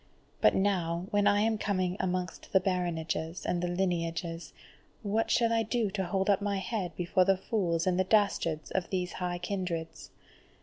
But now when I am coming amongst the baronages and the lineages, what shall I do to hold up my head before the fools and the dastards of these high kindreds?